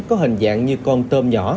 có hình dạng như con tôm nhỏ